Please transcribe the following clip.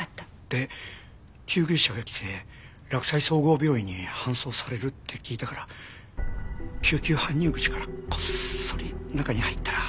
で救急車が来て洛西総合病院に搬送されるって聞いたから救急搬入口からこっそり中に入ったら。